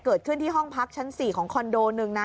เกิดขึ้นที่ห้องพักชั้น๔ของคอนโดหนึ่งนะ